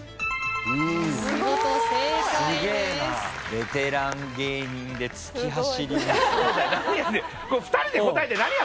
ベテラン芸人でつき走ります。